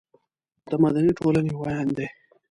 د مدني ټولنې ویاند دی.